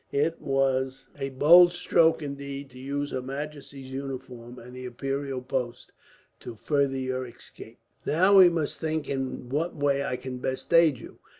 It was a bold stroke, indeed, to use her majesty's uniform and the imperial post to further your escape. "Now we must think in what way I can best aid you.